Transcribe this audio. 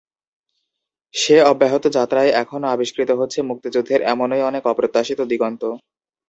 সেই অব্যাহত যাত্রায় এখনো আবিষ্কৃত হচ্ছে মুক্তিযুদ্ধের এমনই অনেক অপ্রত্যাশিত দিগন্ত।